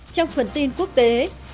trong phần tin quốc tế